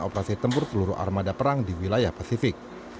operasi tempur seluruh armada perang di wilayah pasifik